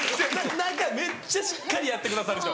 何かめっちゃしっかりやってくださる人。